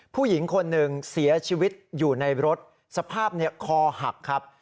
ผู้หญิงคนหนึ่งเสียชีวิตอยู่ในรถสภาพคอหักครับ